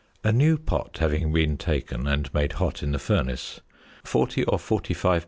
A new pot having been taken and made hot in the furnace, 40 or 45 lbs.